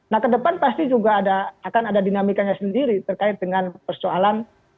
nah ke depan pasti juga akan ada dinamikanya sendiri terkait dengan persoalan